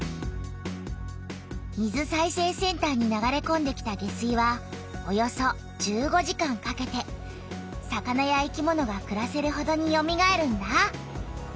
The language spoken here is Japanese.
水再生センターに流れこんできた下水はおよそ１５時間かけて魚や生きものがくらせるほどによみがえるんだ。